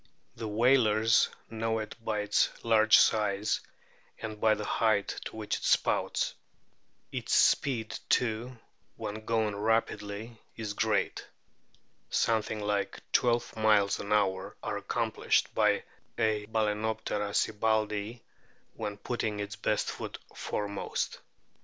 The whalers know it by its large size and by the height to which it spouts. Its speed too, when going rapidly, is great. Something like twelve miles an hour are accomplished by a Balcenoptera sibbaldii when putting its best foot foremost.